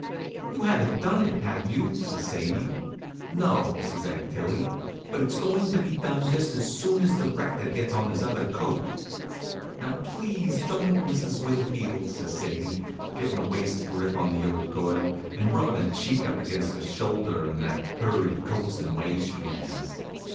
"You haven't done it, have you?" says Sadie. "No," says Aunt Tillie; "but it's going to be done just as soon as the rector gets on his other coat." "Now please don't, Mrs. Winfield," says Sadie, gettin' a waist grip on the old girl, and rubbin' her cheek up against her shoulder in that purry, coaxin' way she has.